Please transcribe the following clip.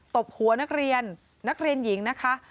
ตบหัวนักเรียนนักเรียนหญิงนะคะ